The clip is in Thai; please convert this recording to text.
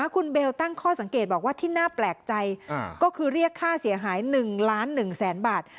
คุณเบลตั้งข้อสังเกตบอกว่าที่น่าแปลกใจก็คือเรียกค่าเสียหาย๑ล้าน๑แสนบาท